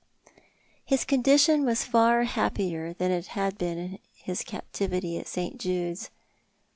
His condition was far happier than it had been in his captivity at St. Jude's.